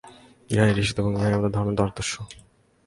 ইহাই ঋষিত্ব এবং ইহাই আমাদের ধর্মের আদর্শ।